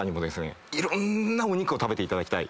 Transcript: いろんなお肉を食べていただきたい。